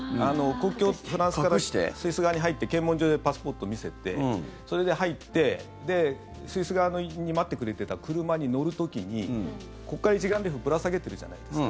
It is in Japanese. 国境、フランス側からスイス側に入って検問所でパスポート見せてそれで入ってスイス側に待ってくれてた車に乗る時にここから一眼レフぶら下げてるじゃないですか。